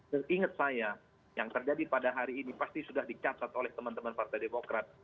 dan ingat saya yang terjadi pada hari ini pasti sudah dicatat oleh teman teman partai demokrat